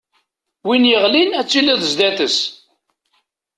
Win yeɣlin ad tiliḍ sdat-s.